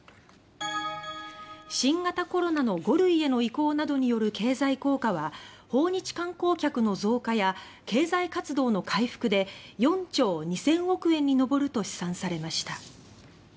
新型コロナの５類への移行などによる経済効果は訪日観光客の増加や経済活動の回復で４兆２千億円に上ると試算されました。